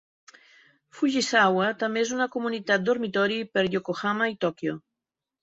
Fujisawa també es una comunitat dormitori per Yokohama i Tòquio.